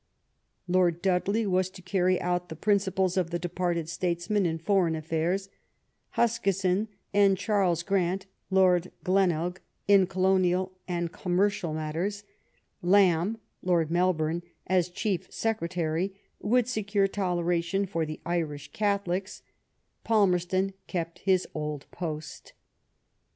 Lord Dudley was to carry out the principles of the departed statesman in Foreign Affairs ; Huskisson and Charles Grant (Lord Glenelg) in Colonial and commercial matters; Lamb (Lord Melbourne), as Chief Secretary, would secure toleration for the Irish Catholics ; Palmerston kept his old post.